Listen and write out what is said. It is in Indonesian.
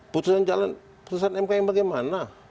putusan mk yang bagaimana